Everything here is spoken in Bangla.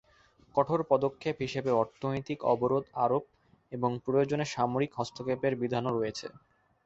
কঠোর পদক্ষেপ হিসেবে অর্থনৈতিক অবরোধ আরোপ এবং প্রয়োজনে সামরিক হস্তক্ষেপের বিধানও রয়েছে।